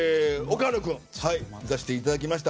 岡野君見させていただきました。